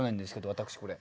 私これ。